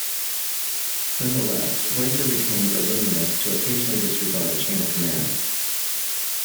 Nonetheless, Riker retains a willingness to occasionally disregard the chain of command.